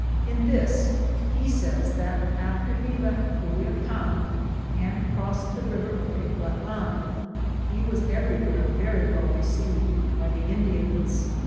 In this he says that after he left Culuacan and crossed the river of Petatlan he was everywhere very well re ceived by the Indians.